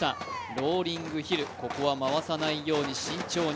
ローリングヒル、ここは回さないように慎重に。